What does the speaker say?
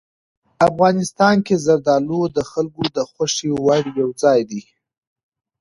افغانستان کې زردالو د خلکو د خوښې وړ یو ځای دی.